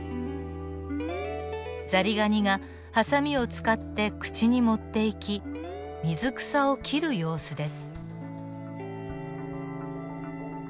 ザリガニがハサミを使って口に持っていき水草を切る様子です。